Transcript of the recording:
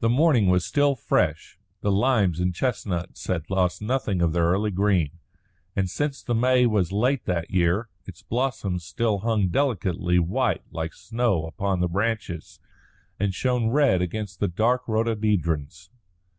The morning was still fresh. The limes and chestnuts had lost nothing of their early green, and since the May was late that year, its blossoms still hung delicately white like snow upon the branches and shone red against the dark rhododendrons.